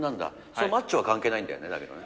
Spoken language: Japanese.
そのマッチョは関係ないんだよね、だけどね。